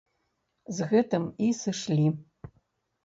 З гэтым і сышлі.